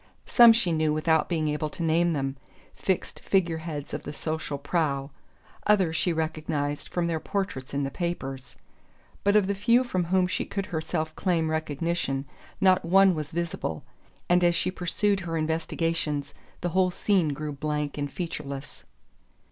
Some she knew without being able to name them fixed figure heads of the social prow others she recognized from their portraits in the papers; but of the few from whom she could herself claim recognition not one was visible, and as she pursued her investigations the whole scene grew blank and featureless.